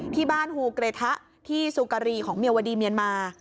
ที่บ้านฮูเกรทะที่สุกรีของเมียวดีเมียนมา